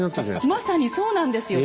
まさにそうなんですよ。